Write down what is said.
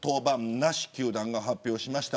なし球団が発表しました。